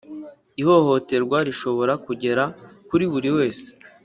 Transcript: Ihohoterwa rishobora kugera kuri buri wese,